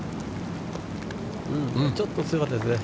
ちょっと強かったですね。